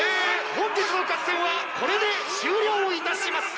本日の合戦はこれで終りょういたします。